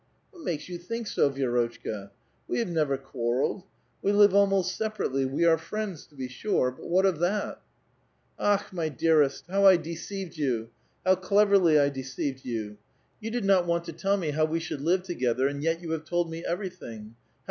" What makes vou think so, Vi^rotchka? We have never quarrelled. We live almost separately ; we are friends, to be sure ; but what of that? "" Akh! my dearest, how I deceived you, how cleverly I de ceived you. You did not want to tell me how we should live ft 122 A VITAL QUESTION. together, aud yet you have told me everything I How.